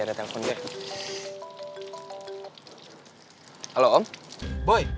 ya gue juga punya cewek